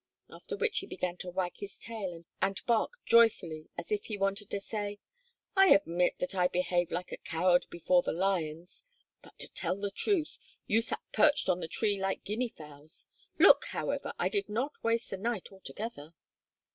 After which he began to wag his tail and bark joyfully as if he wanted to say: "I admit that I behaved like a coward before the lions, but to tell the truth, you sat perched on the tree like guinea fowls. Look, however! I did not waste the night altogether."